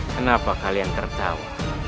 kenapa kalian tertawa